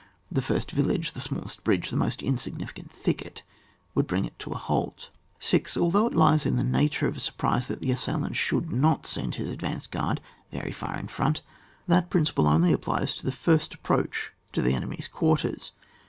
The first village, the smallest bridge, the most insignifi cant thicket would bring it to a halt. (6.) Although it lies in the nature of a surprise that the assailant should not send his advanced guard very far in front, that principle only applies to the first approach to the enemy's quarters.